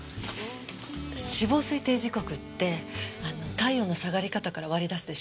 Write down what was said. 死亡推定時刻って体温の下がり方から割り出すでしょ？